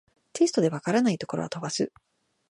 テストで解らないところは飛ばす